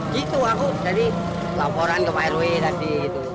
gitu aku dari laporan ke pak rw tadi